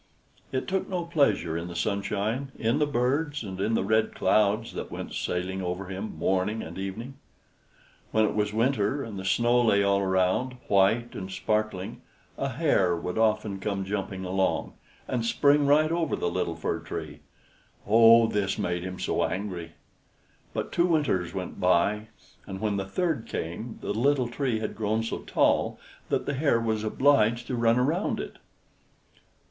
It took no pleasure in the sunshine, in the birds, and in the red clouds that went sailing over him morning and evening. When it was winter, and the snow lay all around, white and sparkling, a hare would often come jumping along, and spring right over the little Fir Tree. Oh! this made him so angry. But two winters went by, and when the third came the little Tree had grown so tall that the hare was obliged to run round it.